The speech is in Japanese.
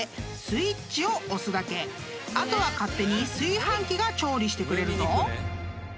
［あとは勝手に炊飯器が調理してくれるぞ］